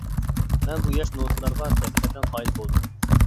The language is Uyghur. مەن بۇ ياش نوتىلارغا ھەقىقەتەن قايىل بولدۇم!